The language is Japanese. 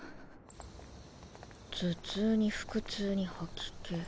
頭痛に腹痛に吐き気。